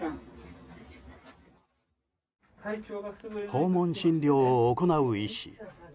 訪問診療を行う医師。